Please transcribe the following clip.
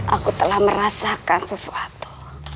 aku telah merasakan sesuatu